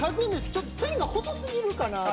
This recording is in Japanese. ちょっと線が細すぎるから。